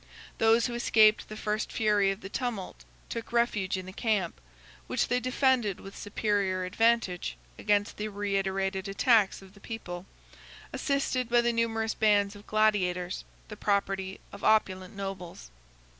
Those who escaped the first fury of the tumult took refuge in the camp, which they defended with superior advantage against the reiterated attacks of the people, assisted by the numerous bands of gladiators, the property of opulent nobles.